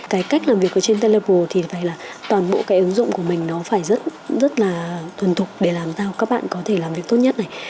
cái cách làm việc ở trên telepro thì phải là toàn bộ cái ứng dụng của mình nó phải rất là thuần thục để làm sao các bạn có thể làm việc tốt nhất này